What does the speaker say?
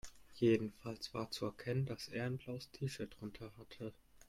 Jedenfalls war zu erkennen, dass er ein blaues T-Shirt drunter hatte.